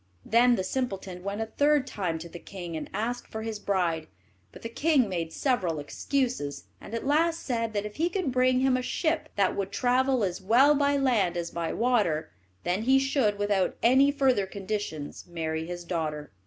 Then the simpleton went a third time to the king, and asked for his bride, but the king made several excuses, and at last said that if he could bring him a ship that would travel as well by land as by water, then he should, without any further conditions, marry his daughter.